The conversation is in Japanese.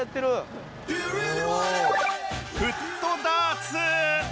フットダーツ